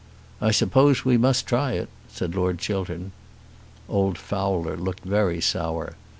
"I suppose we must try it," said Lord Chiltern. Old Fowler looked very sour.